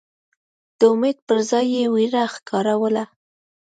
د امید پر ځای یې وېره ښکاروله.